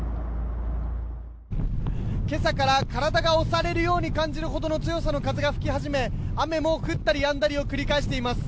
今朝から体が押されるように感じるほどの強さの風が吹き始め雨も降ったりやんだりを繰り返しています。